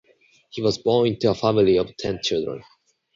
He was born into a family of ten children.